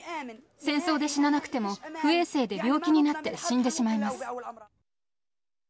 戦争で死ななくても、不衛生で病気になって死んでしまいます。